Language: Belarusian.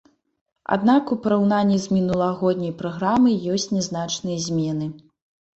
Аднак, у параўнанні з мінулагодняй праграмай, ёсць нязначныя змены.